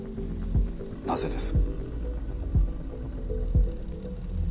なぜです？